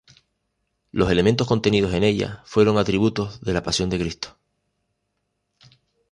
Los elementos contenidos en ella fueron atributos de la Pasión de Cristo.